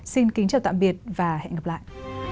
xin kính chào tạm biệt và hẹn gặp lại